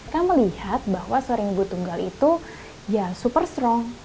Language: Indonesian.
kamu lihat bahwa seorang ibu tunggal itu ya super strong